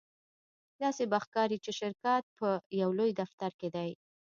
داسې به ښکاري چې شرکت په یو لوی دفتر کې دی